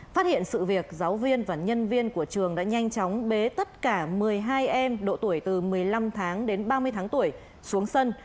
phát hiện sự việc giáo viên và nhân viên của trường đã nhanh chóng bế tất cả một mươi hai em độ tuổi từ một mươi năm tháng đến ba mươi tháng tuổi xuống sân